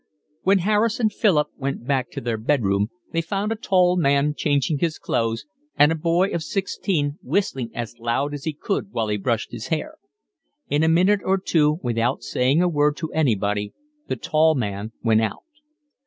When Harris and Philip went back to their bed room they found a tall man changing his clothes and a boy of sixteen whistling as loud as he could while he brushed his hair. In a minute or two without saying a word to anybody the tall man went out.